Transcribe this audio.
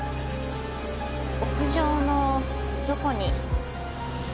屋上のどこに？